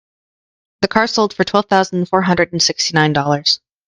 The car sold for twelve thousand four hundred and sixty nine dollars.